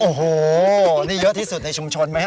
โอ้โหนี่เยอะที่สุดในชุมชนไหมฮ